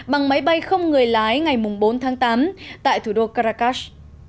bằng máy bay không người lái ngày bốn tháng tám tại thủ đô caracas